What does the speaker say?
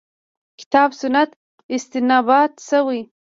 کتاب سنت استنباط شوې.